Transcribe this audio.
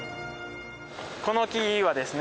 この木はですね